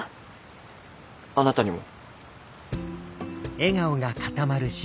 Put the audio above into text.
あなたにも。